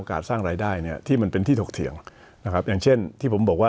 การสร้างรายได้เนี่ยที่มันเป็นที่ถกเถียงนะครับอย่างเช่นที่ผมบอกว่า